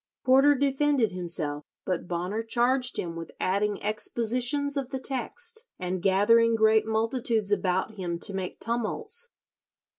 Porter defended himself, but Bonner charged him with adding expositions of the text, and gathering "great multitudes about him to make tumults."